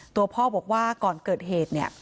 ตัวพ่อบอกว่าก่อนเกิดเหตุ